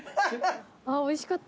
おいしかった。